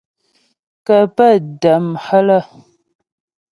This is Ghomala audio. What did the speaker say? Kə́ pə́ dam há lə́.